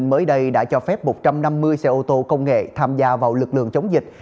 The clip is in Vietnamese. mới đây đã cho phép một trăm năm mươi xe ô tô công nghệ tham gia vào lực lượng chống dịch